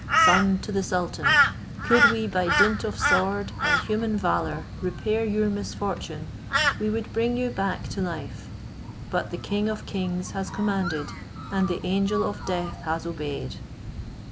son to the sultan, could we by dint of sword, and human valour, repair your misfortune, we would bring you back to life; but the King of kings has commanded, and the angel of death has obeyed."